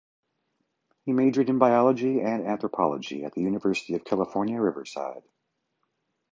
He majored in biology and anthropology at the University of California, Riverside.